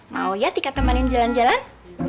mau ya tiket temenin jalan jalan